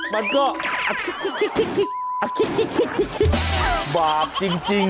มันก็อะโค๊ะขี้